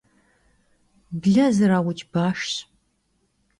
Ble zerauç'a başşş.